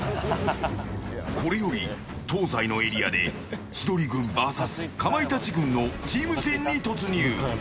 これより東西のエリアで千鳥軍ＶＳかまいたち軍のチーム戦に突入。